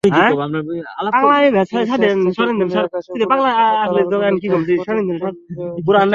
ইনস্যাস থেকে গুলি আকাশে বুলেট ক্ষত তারারা গুলির দাগ প্রদীপ জ্বলবে যত।